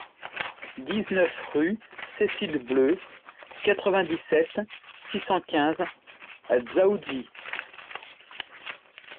dix-neuf rue Cecile Bleue, quatre-vingt-dix-sept, six cent quinze à Dzaoudzi